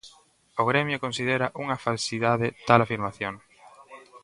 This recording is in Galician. O gremio considera unha falsidade tal afirmación.